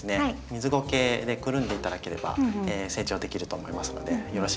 水ごけでくるんで頂ければ成長できると思いますのでよろしいかと思います。